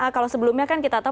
kalau sebelumnya kan kita tahu